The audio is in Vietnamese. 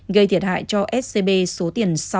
gây thiệt hại cho scb số tiền sáu